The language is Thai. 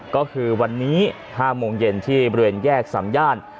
ก็คือวันนี้๕โมงเย็นที่บริเวณแยกสามย่าน